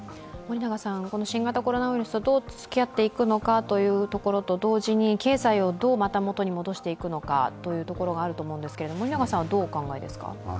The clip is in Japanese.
新型コロナウイルスとどう付き合っていくのかというところと同時に、経済をどう元に戻していくのかというところがあると思うんですが、どうお考えですか。